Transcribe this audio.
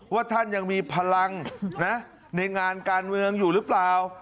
ว่าท่านยังมีพลังนะในงานการเมืองอยู่หรือเปล่า